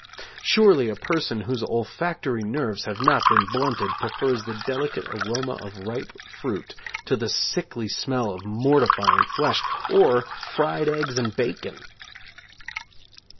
Surely a person whose olfactory nerves have not been blunted prefers the delicate aroma of ripe fruit to the sickly smell of mortifying flesh, or fried eggs and bacon!